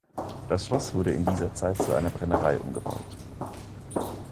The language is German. Das Schloss wurde in dieser Zeit zu einer Brennerei umgebaut.